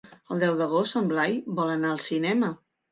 El deu d'agost en Blai vol anar al cinema.